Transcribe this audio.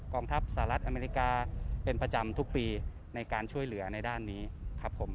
องทัพสหรัฐอเมริกาเป็นประจำทุกปีในการช่วยเหลือในด้านนี้ครับผม